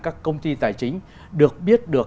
các công ty tài chính được biết được